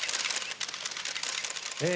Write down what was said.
え